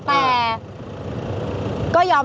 แต่ก็ยอมรับว่าไม่ทวดถึงจริง